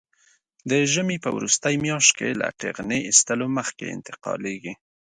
د ژمي په وروستۍ میاشت کې له ټېغنې ایستلو مخکې انتقالېږي.